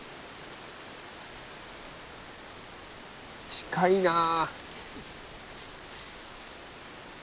近いなあ！